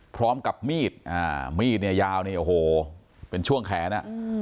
พร้อมกับมีดมีดเนี่ยยาวเนี่ยโอ้โหเป็นช่วงแขนอ่ะ